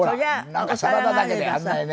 なんかサラダだけであんなにね。